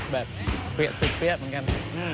แบบเปรี้ยสุดเปรี้ยเหมือนกัน